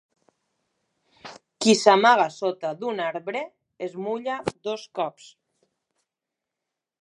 Qui s'amaga sota d'un arbre es mulla dos cops.